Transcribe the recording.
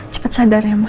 cepat sadar ya ma